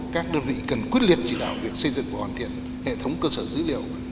các đơn vị cần quyết liệt chỉ đạo việc xây dựng và hoàn thiện hệ thống cơ sở dữ liệu